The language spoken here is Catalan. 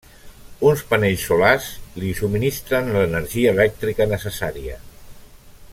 Uns panells solars li subministren l'energia elèctrica necessària.